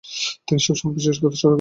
তিনি সবসময়ই বিশেষ সতর্ক ছিলেন।